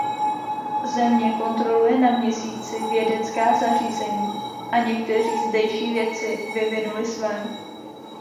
Země kontroluje na Měsíci vědecká zařízení a někteří zdejší vědci vyvinuli své.